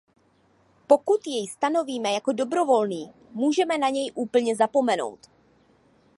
Pokud jej stanovíme jako dobrovolný, můžeme na něj úplně zapomenout.